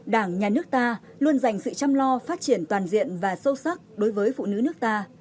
đảng nhà nước ta luôn dành sự chăm lo phát triển toàn diện và sâu sắc đối với phụ nữ nước ta